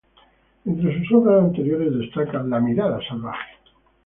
Entre sus obras anteriores, destaca "La Mirada Salvaje.